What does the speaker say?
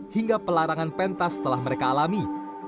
hingga pelarangan pentas telah mereka alami